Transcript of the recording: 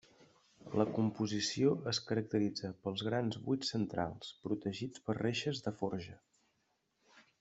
La composició es caracteritza pels grans buits centrals, protegits per reixes de forja.